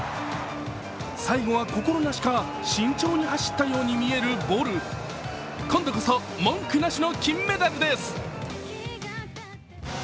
最後は心なしか慎重に走ったようにみえるボル今度こそ、文句なしの金メダルです。